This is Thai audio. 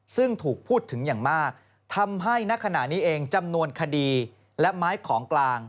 ซึ่งถูกพูดถึงอย่างมากทำให้นักขณะนี้เองจำนวนคดีและไม้ของกลาง